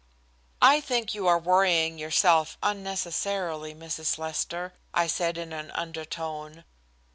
"I think you are worrying yourself unnecessarily, Mrs. Lester," I said in an undertone.